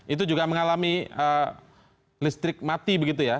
itu juga mengalami listrik mati begitu ya